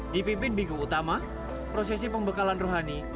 dipimpin bigu utama prosesi pembekalan rohani